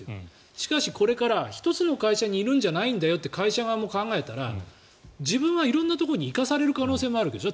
しかし、これからは１つの会社にいるんじゃないんだよと会社側も考えたら自分は色々なところに行かされる可能性もあるわけでしょ。